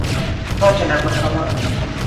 Vótena, por favor.